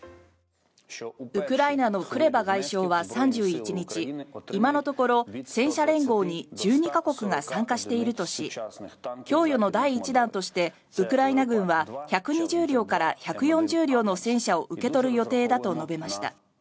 ウクライナのクレバ外相は３１日今のところ戦車連合に１２か国が参加しているとし供与の第１弾としてウクライナ軍は１２０両から１４０両の戦車を受け取る予定だと述べました。